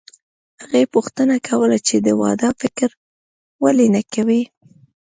هغې پوښتنه کوله چې د واده فکر ولې نه کوې